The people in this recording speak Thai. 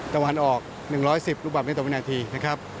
ตะวันออก๑๑๐ลูกบาทเมตรต่อวินาทีนะครับ